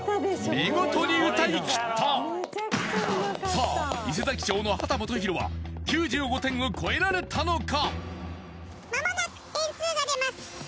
見事に歌い切ったさあ伊勢佐木町の秦基博は９５点を超えられたのか？